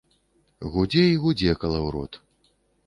Гудзе і гудзе калаўрот.